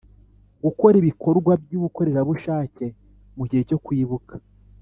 Gukora ibikorwa by’ubukorerabushakemu gihe cyo kwibuka